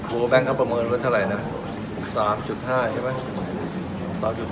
โบเวอร์แบงค์เขาประเมินเท่าไหร่นะ๓๕ใช่ไหม